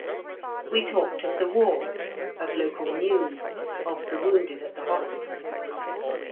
We talked of the war, of local news, of the wounded at the hospital.